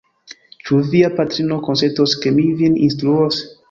Ĉu via patrino konsentos, ke mi vin instruos?